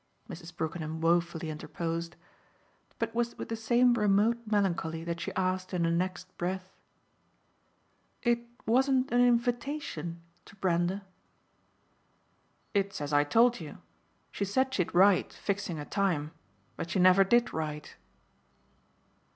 Mrs. Brookenham woefully interposed. But it was with the same remote melancholy that she asked in the next breath: "It wasn't an INVITATION to Brander?" "It's as I told you. She said she'd write, fixing a time; but she never did write."